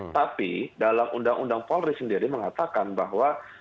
tapi dalam undang undang polri sendiri mengatakan bahwa